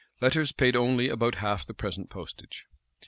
Letters paid only about half the present postage.